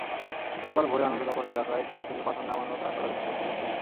গতকাল ভোরে আনন্দনগর এলাকায় ট্রাক থেকে পাথর নামানোর কাজ তদারকি করছিলেন তিনি।